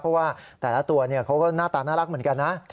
เพราะว่าแต่ละตัวเขาก็หน้าตาน่ารักเหมือนกันนะ